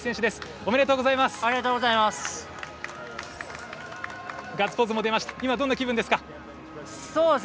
ありがとうございます。